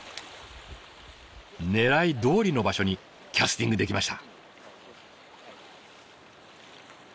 狙いどおりの場所にキャスティングできました。